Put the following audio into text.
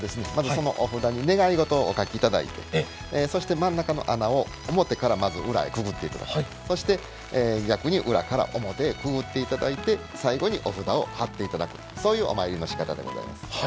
御札に願い事を書いていただいてそして真ん中の穴を表から裏へくぐっていただく、そして逆に裏から表へくぐっていただいて最後にお札を貼っていただくそういうお参りのしかたです。